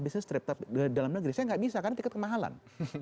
saya tidak bisa karena tiket kemahalan